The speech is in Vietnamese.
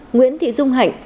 nguyễn thị dung hạnh